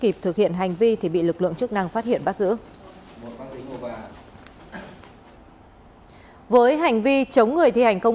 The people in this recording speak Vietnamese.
kịp thực hiện hành vi thì bị lực lượng chức năng phát hiện bắt giữ với hành vi chống người thi hành công